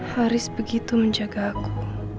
haris begitu menjaga aku